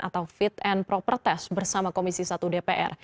atau fit and proper test bersama komisi satu dpr